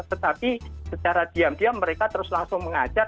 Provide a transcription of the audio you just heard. tetapi secara diam diam mereka terus langsung mengajak